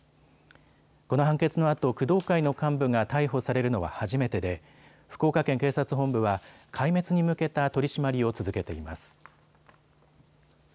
この判決のあと、工藤会の幹部が逮捕されるのは初めてで福岡県警察本部は壊滅に向けた取締りを続けています。